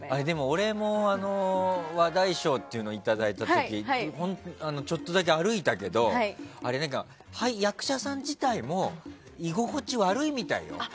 俺も話題賞っていうのいただいた時ちょっとだけ歩いたけどあれ、役者さん自体も居心地悪いみたいよ。